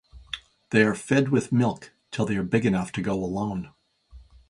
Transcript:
They are fed with milk till they are big enough to go alone.